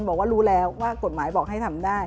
บอกว่ารู้แล้วว่ากฎหมายบอกให้ทำได้